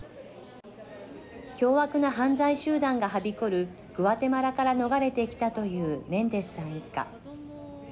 凶悪な犯罪集団がはびこるグアテマラから逃れてきたというメンデスさん一家。